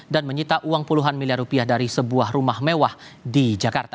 dan menyita uang puluhan miliar rupiah dari sebuah rumah mewah di jakarta